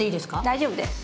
大丈夫です。